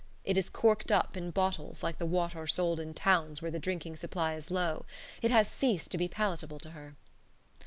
It is corked up in bottles like the water sold in towns where the drinking supply is low. It has ceased to be palatable to her.